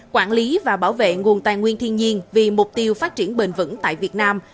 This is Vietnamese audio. quản lý và bảo vệ nguồn tài nguyên thiên nhiên vì mục tiêu phát triển bền vững tại việt nam